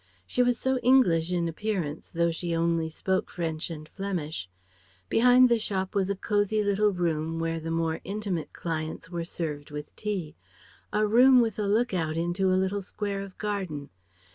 She was so English in appearance, though she only spoke French and Flemish. Behind the shop was a cosy little room where the more intimate clients were served with tea; a room with a look out into a little square of garden.